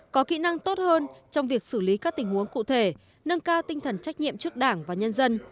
có kỹ năng tốt hơn trong việc xử lý các tình huống cụ thể nâng cao tinh thần trách nhiệm trước đảng và nhân dân